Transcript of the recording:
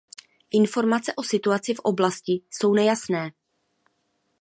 Informace o situaci v oblasti jsou nejasné.